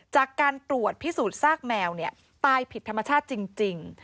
จากการตรวจพิสูจน์ซากแมวตายผิดธรรมชาติจริง